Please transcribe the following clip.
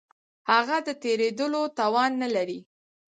هغه د تېرېدلو توان نه لري.